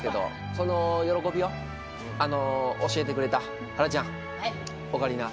その喜びを教えてくれたはらちゃんオカリナ